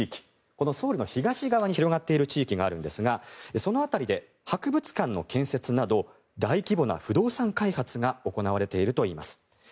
このソウルの東側に広がっている地域があるんですがその辺りで博物館の建設など大規模な不動産開発が行われているといいます。